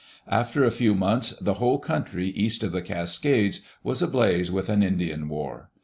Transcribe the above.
After a few months, the whole country east of the Cascades was ablaze with an Indian war.